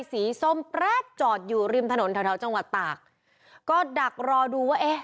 ส้มแปลกจอดอยู่ริมถนนแถวแถวจังหวัดตากก็ดักรอดูว่าเอ๊ะ